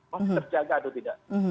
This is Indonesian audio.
masih terjaga atau tidak